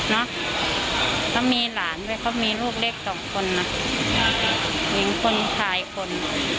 เนาะเขามีหลานด้วยเขามีลูกเล็กสองคนนะมีคนชายคน